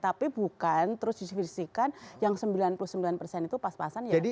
tapi bukan terus disfisikan yang sembilan puluh sembilan persen itu pas pasan yang